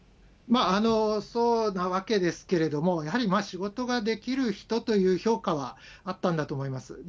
そうなわけですけれども、やはり仕事ができる人という評価はあったんだと思います。